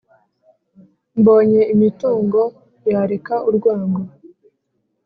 Mbonye imitungo yareka urwango